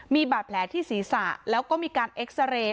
มีบาดแผลที่ศีรษะแล้วก็มีการเอ็กซาเรย์